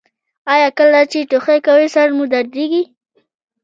ایا کله چې ټوخی کوئ سر مو دردیږي؟